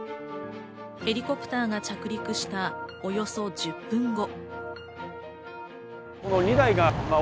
ヘリコプターが着陸した、およそ１０分後。